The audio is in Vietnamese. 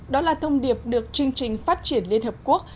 đó là thông điệp được chương trình phát triển liên hợp quốc